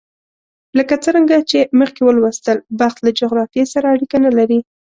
لکه څرنګه چې مخکې ولوستل، بخت له جغرافیې سره اړیکه نه لري.